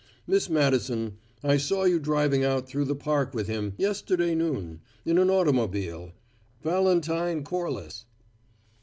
Miss Madison, I saw you driving out through the park with him, yesterday noon, in an automobile. Valentine Corliss."